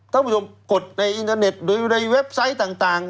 ท่านผู้ชมกดในอินเทอร์เน็ตหรืออยู่ในเว็บไซต์ต่าง